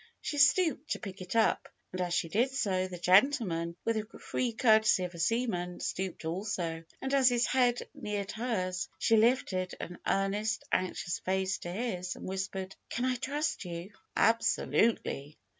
She stooped to pick it up, and as she did so, the gentleman, with the free courtesy of a seaman, stooped also, and as his head neared hers she lifted an earnest, anxious face to his, and whispered : '^Can I trust you?" Absolutely